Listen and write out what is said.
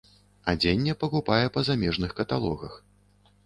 Адзенне пакупае па замежных каталогах.